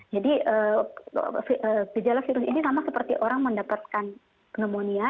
jadi gejala virus ini sama seperti orang mendapatkan pneumonia